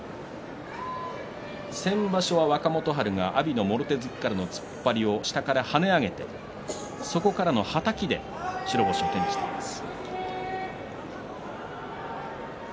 先場所は若元春が阿炎のもろ手突きからの突っ張りを下から跳ね上げてそこからのはたきで白星を手にしています。